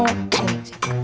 kan ini sih